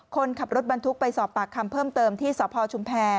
คนขับรถบรรทุกไปสอบปากคำเพิ่มเติมที่สพชุมแพร